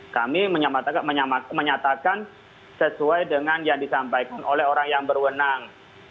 kami menyatakan sesuai dengan yang disampaikan oleh orang yang berwenang